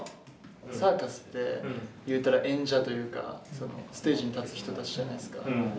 サーカスっていうたら演者というかステージに立つ人たちじゃないですか。